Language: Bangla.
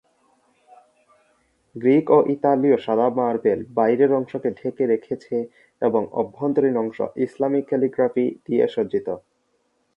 গ্রীক ও ইতালীয় সাদা মার্বেল বাইরের অংশকে ঢেকে রেখেছে এবং অভ্যন্তরীণ অংশ ইসলামী ক্যালিগ্রাফি দিয়ে সজ্জিত।